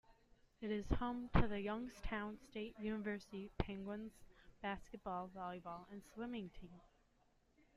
It is home to the Youngstown State University Penguins basketball, volleyball, and swimming teams.